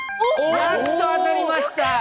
やっと当たりました！